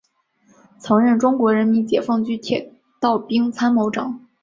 曾任中国人民解放军铁道兵参谋长。